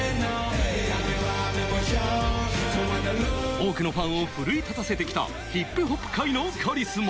多くのファンを奮い立たせてきたヒップホップ界のカリスマ。